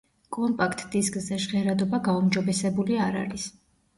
კომპაქტ დისკზე ჟღერადობა გაუმჯობესებული არ არის.